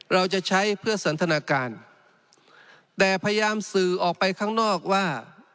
เราจะใช้เพื่อสันทนาการแต่พยายามสื่อออกไปข้างนอกว่า